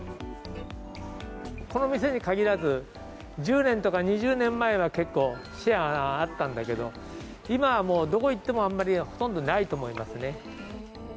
この店に限らず、１０年とか２０年前は結構シェアがあったんだけど、今はもう、どこ行ってもあんまり、ほとんどないと思いますね。